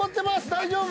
大丈夫。